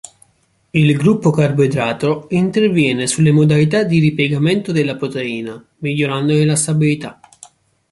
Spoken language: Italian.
Il gruppo carboidrato interviene sulle modalità di ripiegamento della proteina, migliorandone la stabilità.